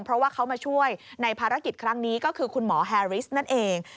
เพราะว่าเขามาช่วยในภารกิจครั้งนี้ก็คือคุณหมอแฮริสนั่นเอง